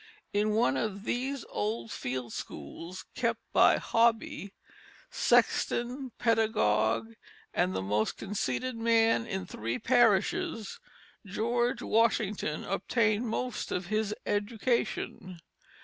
In one of these old field schools kept by Hobby sexton, pedagogue, and "the most conceited man in three parishes" George Washington obtained most of his education.